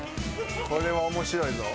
これは面白いぞ。